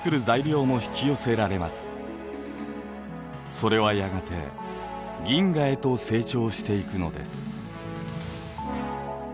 それはやがて銀河へと成長していくのです。